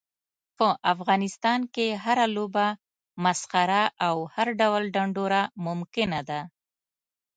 په افغانستان کې هره لوبه، مسخره او هر ډول ډنډوره ممکنه ده.